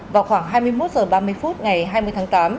vào khoảng hai mươi một h ba mươi phút ngày hai mươi tháng tám